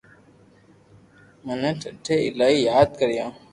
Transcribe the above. مي ٺني ايلائي ياد ڪريو